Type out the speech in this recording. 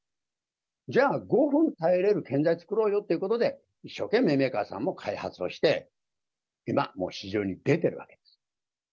じゃあ、５分耐えれる建材を作ろうよってことで、一生懸命メーカーさんも開発をして、今、もう市場に出ているわけです。